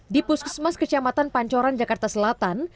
di puskesmas kecamatan pancoran jakarta selatan